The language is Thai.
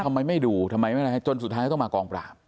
ทำไมไม่ดูทำไมไม่ให้จนสุดท้ายก็ต้องมากองปราบ